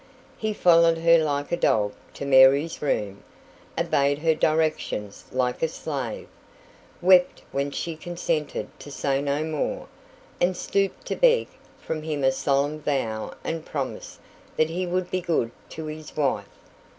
He followed her like a dog to Mary's room, obeyed her directions like a slave, wept when she consented to "say no more", and stooped to beg from him a solemn vow and promise that he would be good to his wife.